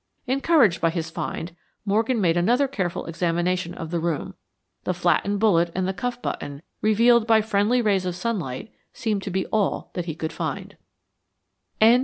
Encouraged by his find, Morgan made another careful examination of the room. The flattened bullet and the cuff button, revealed by friendly rays of sunlight, seemed to be all that he could find.